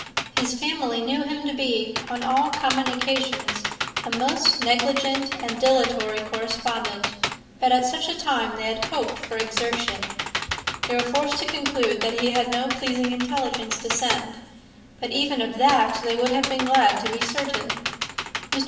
His family knew him to be, on all common occasions, a most negligent and dilatory correspondent; but at such a time they had hoped for exertion. They were forced to conclude, that he had no pleasing intelligence to send; but even of that they would have been glad to be certain. Mr.